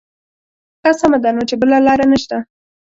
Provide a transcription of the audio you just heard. ښه سمه ده نو چې بله لاره نه شته.